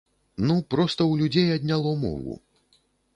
Ну, проста ў людзей адняло мову.